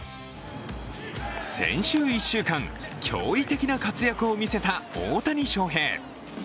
先週１週間、驚異的な活躍を見せた大谷翔平。